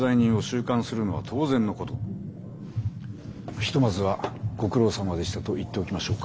ひとまずはご苦労さまでしたと言っておきましょうか。